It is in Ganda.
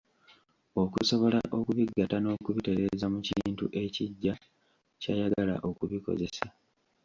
Okusobola okubigatta n'okubitereeza mu kintu ekiggya ky'ayagala okubikozesa.